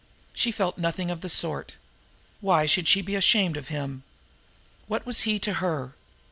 She felt nothing of the sort! Why should she be ashamed of him? What was he to her?